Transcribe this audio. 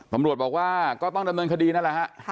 ตำรวจบอกว่าก็ต้องดำเนินคดีนั่นแหละฮะ